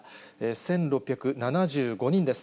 １６７５人です。